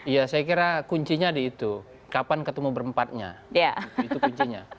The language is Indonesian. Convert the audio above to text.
ya saya kira kuncinya di itu kapan ketemu berempatnya itu kuncinya